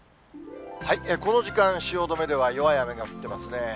この時間、汐留では弱い雨が降ってますね。